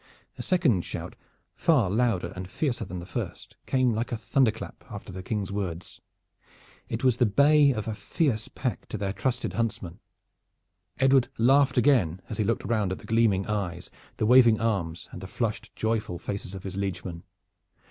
A second shout, far louder and fiercer than the first, came like a thunderclap after the King's words. It was the bay of a fierce pack to their trusted huntsman. Edward laughed again as he looked round at the gleaming eyes, the waving arms and the flushed joyful faces of his liegemen.